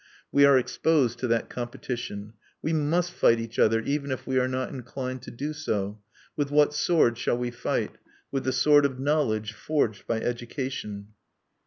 We are exposed to that competition. We must fight each other, even if we are not inclined to do so. With what sword shall we fight? With the sword of knowledge, forged by education."